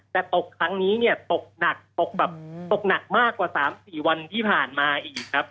แต่ตกครั้งนี้เนี่ยตกหนักตกแบบตกหนักมากกว่า๓๔วันที่ผ่านมาอีกครับ